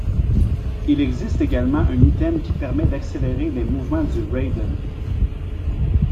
Il existe également un item qui permet d'accélérer les mouvements du Raiden.